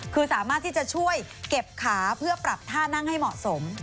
คือสามารถที่จะช่วยเก็บขาเพื่อปรับท่านั่งให้เหมาะสม